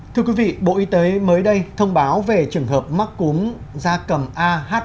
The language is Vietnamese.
thưa quý vị bộ y tế mới đây thông báo về trường hợp mắc cúng da cầm ah chín n